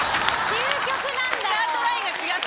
究極なんだよ。